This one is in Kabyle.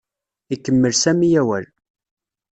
Ikemmel Sami awal.